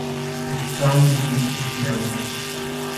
Its county seat is Nelson.